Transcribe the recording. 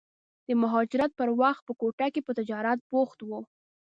د مهاجرت پر وخت په کوټه کې په تجارت بوخت و.